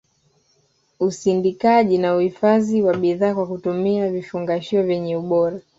usindikaji na uhifadhi wa bidhaa kwa kutumia vifungashio vyenye ubora